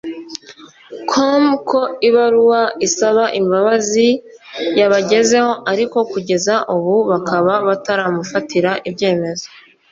com ko ibaruwa isaba imbabazi yabagezeho ariko kugeza ubu bakaba bataramufatira ibyemezo